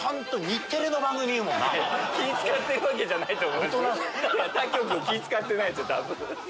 気ぃ使ってるわけじゃないと思う。